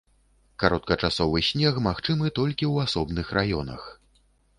Кароткачасовы снег магчымы толькі ў асобных раёнах.